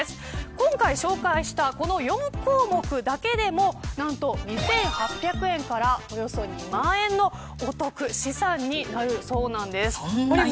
今回紹介したこの４項目だけでも何と、２８００円からおよそ２万円のお得資産になるそうなんです。